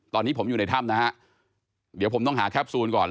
ตอนนี้ผมอยู่ในถ้ำนะฮะเดี๋ยวผมต้องหาแคปซูลก่อน